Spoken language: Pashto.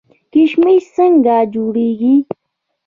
کشمش څنګه جوړیږي؟